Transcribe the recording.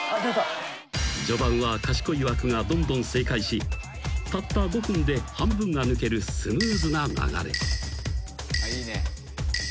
［序盤は賢い枠がどんどん正解したった５分で半分が抜けるスムーズな流れ］